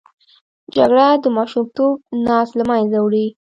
جګړه د ماشومتوب ناز له منځه وړي